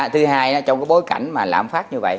thứ hai trong cái bối cảnh mà lãm phát như vậy